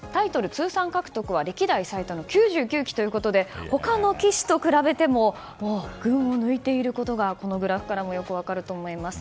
通算獲得は歴代最多の９９期ということで他の棋士と比べてももう群を抜いていることがグラフからも分かると思います。